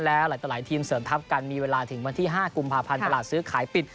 เหล่าหลายตลาดทีมเสริมทรัพย์กันมีเวลาถึงบันที่ห้ากุมภาพพละสือขายปิด